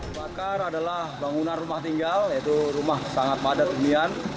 bakar adalah bangunan rumah tinggal yaitu rumah sangat padat unian